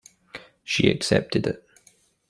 She accepted it.